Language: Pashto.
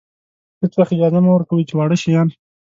هېڅ وخت اجازه مه ورکوئ چې واړه شیان.